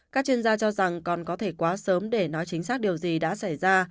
các chuyên gia cho rằng còn có thể quá sớm để nói chính xác điều gì đã xảy ra